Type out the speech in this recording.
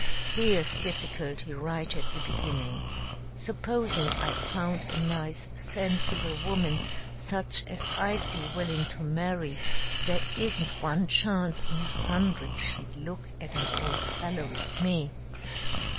Here's difficulty right at the beginning. Supposing I found a nice, sensible woman, such as I'd be willing to marry, there isn't one chance in a hundred she'd look at an old fellow like me.